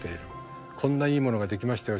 「こんないいものができましたよ。